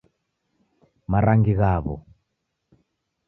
Marangi ghawo